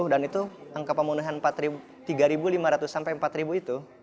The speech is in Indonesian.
dan itu angka pemenuhan tiga lima ratus sampai empat itu